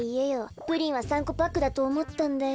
プリンは３こパックだとおもったんだよ。